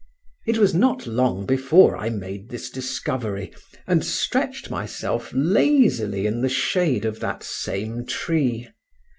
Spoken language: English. It was not long before I made this discovery, and stretched myself lazily in the shade of that same tree.